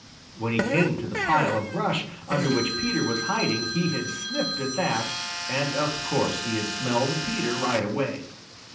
When he came to the pile of brush under which Peter was hiding he had sniffed at that, and of course he had smelled Peter right away.